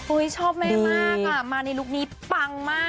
ชอบแม่มากอ่ะมาในลุคนี้ปังมาก